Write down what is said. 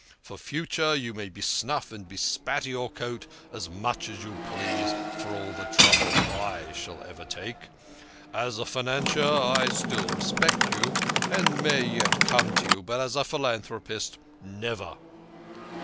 For the future you may besnuff and bespatter your coat as much as you please, for all the trouble I shall ever take. As a financier, I still respect you, and may yet come to you, but as a philanthropist, never."